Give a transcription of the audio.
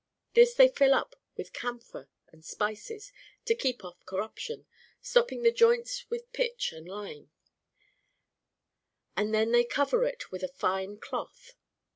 This they fill up with camphor and spices, to keep off corrup tion [stopping the joints with pitch and lime], and then they cover it with a fine cloth.